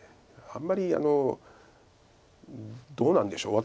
あんまりどうなんでしょう。